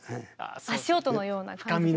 足音のような感じですか。